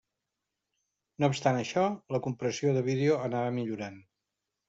No obstant això, la compressió de vídeo anava millorant.